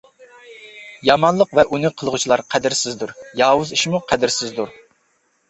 يامانلىق ۋە ئۇنى قىلغۇچىلار قەدىرسىزدۇر. ياۋۇز ئىشمۇ قەدىرسىزدۇر.